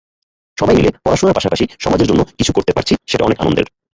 সবাই মিলে পড়াশোনার পাশাপাশি সমাজের জন্য কিছু করতে পারছি, সেটা অনেক আনন্দের।